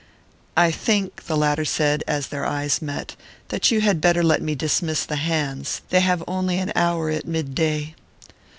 "I think," the latter said, as their eyes met, "that you had better let me dismiss the hands: they have only an hour at midday."